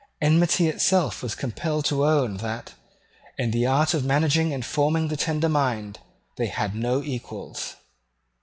Enmity itself was compelled to own that, in the art of managing and forming the tender mind, they had no equals.